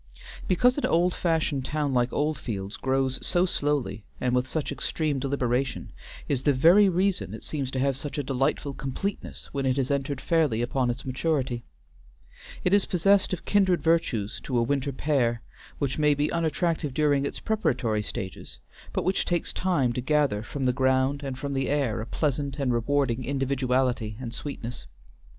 Because an old fashioned town like Oldfields grows so slowly and with such extreme deliberation, is the very reason it seems to have such a delightful completeness when it has entered fairly upon its maturity. It is possessed of kindred virtues to a winter pear, which may be unattractive during its preparatory stages, but which takes time to gather from the ground and from the air a pleasant and rewarding individuality and sweetness.